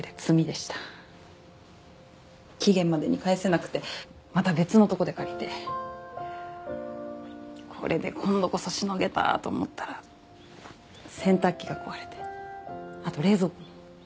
期限までに返せなくてまた別のとこで借りてこれで今度こそしのげた！と思ったら洗濯機が壊れてあと冷蔵庫も。